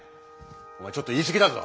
おまえちょっと言い過ぎだぞ！